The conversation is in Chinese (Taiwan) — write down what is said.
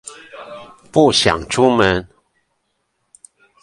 不想出門